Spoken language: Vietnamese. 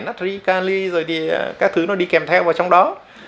natri cali rồi thì các thứ nó đi kèm theo vào trong đó